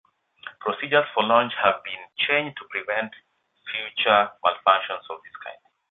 Procedures for launch have been changed to prevent future malfunctions of this kind.